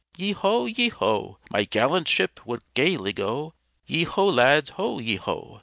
yeo ho! yeo ho! My gallant ship would gaily go, Yeo ho! lads, ho! yeo ho!